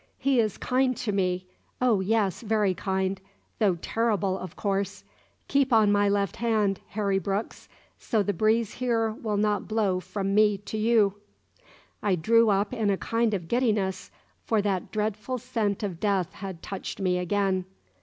He is kind to me; oh, yes, very kind though terrible, of course. ... Keep on my left hand, Harry Brooks; so the breeze here will not blow from me to you." I drew up in a kind of giddiness, for that dreadful scent of death had touched me again.